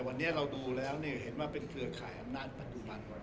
วันนี้เราดูแล้วเห็นว่าเป็นเครือข่ายอำนาจปัจจุบัน